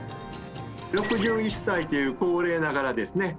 ６１歳という高齢ながらですね